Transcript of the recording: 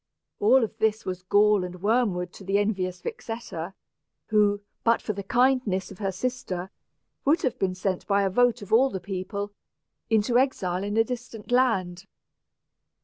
All of this was gall and worm wood to the envious Vixetta, who, but for the kindness of her sister, would have been sent, by a vote of all the people, into exile in a distant land.